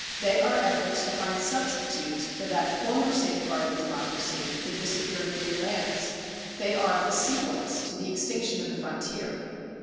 They are efforts to find substitutes for that former safeguard of democracy, the disappearing free lands. They are the sequence to the extinction of the frontier.